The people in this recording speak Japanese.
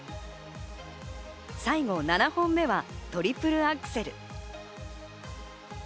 最後７本目はトリプルアクセル。